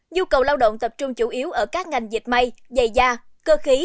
nhu cầu lao động tập trung chủ yếu ở các ngành dịch may dày da cơ khí